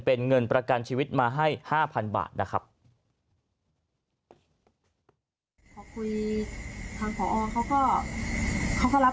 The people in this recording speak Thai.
เป็นเงินประกันชีวิตมาให้๕๐๐๐บาทนะครับ